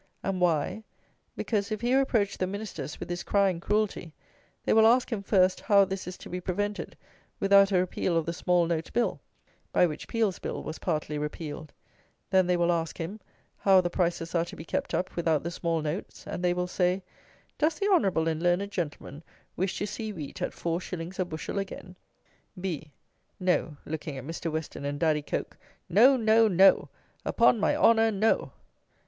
And why? Because, if he reproach the Ministers with this crying cruelty, they will ask him first how this is to be prevented without a repeal of the Small note Bill (by which Peel's Bill was partly repealed); then they will ask him, how the prices are to be kept up without the small notes; then they will say, "Does the honourable and learned Gentleman wish to see wheat at four shillings a bushel again?" B. No (looking at Mr. Western and Daddy Coke), no, no, no! Upon my honour, no!